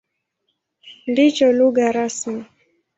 Ndicho lugha rasmi.